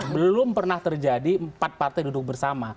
belum pernah terjadi empat partai duduk bersama